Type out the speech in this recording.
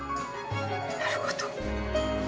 なるほど。